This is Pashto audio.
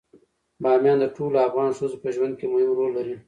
بامیان د ټولو افغان ښځو په ژوند کې مهم رول لري.